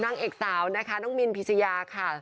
นางเอกสาวนะคะน้องมินพิชยาค่ะ